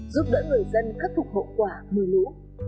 giúp đỡ người dân khắc phục hậu quả mưa lũ